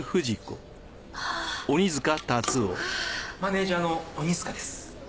マネージャーの鬼塚です。